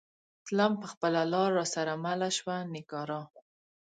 تلم به خپله لار را سره مله شوه نگارا